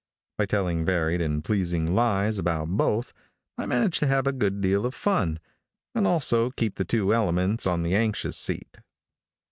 By telling varied and pleasing lies about both I manage to have a good deal of fun, and also keep the two elements on the anxious seat.